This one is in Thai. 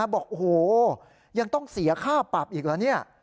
บอกโอ้โหยังต้องเสียค่าปรับอีกเหรอเนี่ย